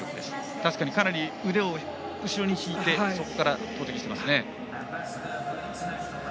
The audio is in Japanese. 確かにかなり腕を後ろに引いてそこから投てきしていますね。